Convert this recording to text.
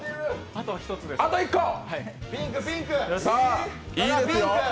あと１つですね。